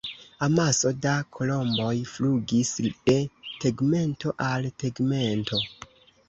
Amaso da kolomboj flugis de tegmento al tegmento.